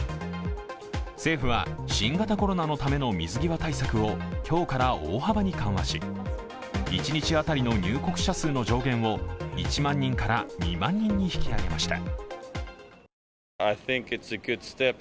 政府は新型コロナのための水際対策を今日から大幅に緩和し、一日当たりの入国者数の上限を１万人から２万人に引き上げました。